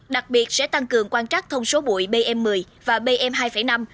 đặc biệt sẽ tăng cường quan trắc thông số bụi bm một mươi và bm hai năm